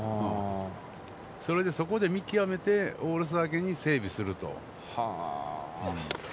それで、そこで見きわめてオールスター明けに整備すると。